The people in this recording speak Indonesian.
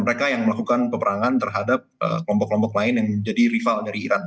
mereka yang melakukan peperangan terhadap kelompok kelompok lain yang menjadi rival dari iran